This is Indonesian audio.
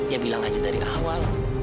ya bilang aja dari awal